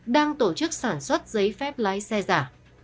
đang tổ chức sản xuất giấy phép lái xe giả